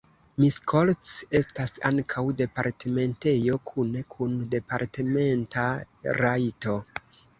Miskolc estas ankaŭ departementejo kune kun departementa rajto.